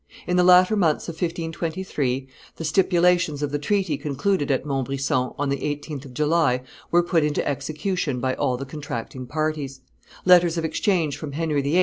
In the latter months of 1523, the stipulations of the treaty concluded at Montbrison on the 18th of July were put into execution by all the contracting parties; letters of exchange from Henry VIII.